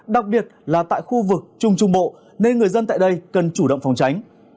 đặc biệt là tại khu vực trung trung bộ nên người dân tại đây cần chủ động phòng tránh